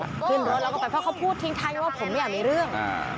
แล้วก็ไปเพราะเขาพูดทิ้งไทยว่าผมอยากมีเรื่อง